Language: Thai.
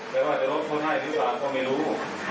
แม้ว่าจะลดโทษให้ดีกว่าผมไม่รู้